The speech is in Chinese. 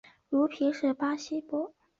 茹皮是巴西伯南布哥州的一个市镇。